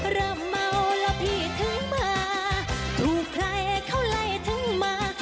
เริ่มเมาแล้วพี่ถึงมาถูกใครเขาไล่ถึงมา